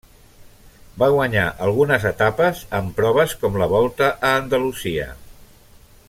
Va guanyar algunes etapes en proves com la Volta a Andalusia.